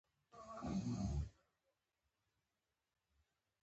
مهرباني وکړئ سم یې ولولئ.